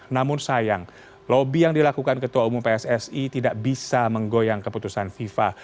namun sayang lobby yang dilakukan ketua umum pssi tidak bisa menggoyang keputusan fifa